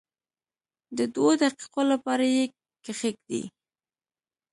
د دوو دقیقو لپاره یې کښېږدئ.